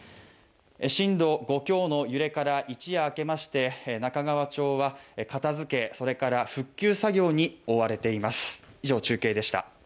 震度５強の揺れから一夜明けまして中川町は片付けそれから復旧作業に追われています